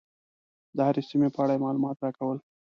د هرې سیمې په اړه یې معلومات راکول.